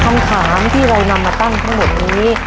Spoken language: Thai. คำถามที่เรานำมาตั้งทั้งหมดนี้